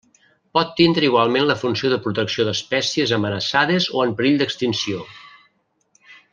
Pot tindre igualment la funció de protecció d'espècies amenaçades o en perill d'extinció.